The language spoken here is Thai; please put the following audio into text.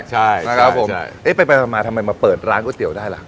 ใช่เปิดร้านอู๋ตเตี๋ยวได้ล่ะ